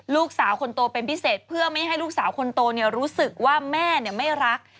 ลูกสาวคนโตเป็นพิเศษเพื่อไม่ให้ลูกสาวคนโตรู้สึกว่าแม่ไม่รัก